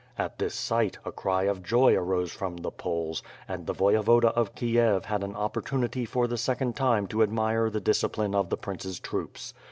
At this sight, a cry of joy arose from the Poles, and the Voyevoda of Kiev had an opportunity for the second time to admire the dis cipline of the prince's troops.